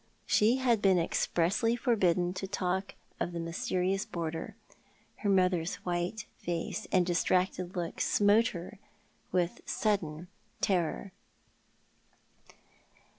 She had been expressly forbidden to talk of the mysterious boarder. Her mother's white face and distracted look smote her with sudden terror.